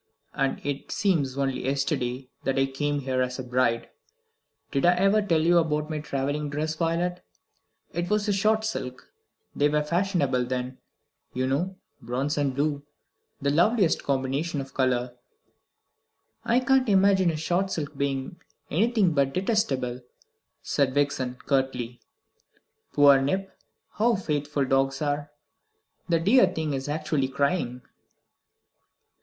And it seems only yesterday that I came here as a bride. Did I ever tell you about my travelling dress, Violet? It was a shot silk they were fashionable then, you know bronze and blue the loveliest combination of colour!" "I can't imagine a shot silk being anything but detestable," said Vixen curtly. "Poor Nip! How faithful dogs are! The dear thing is actually crying!"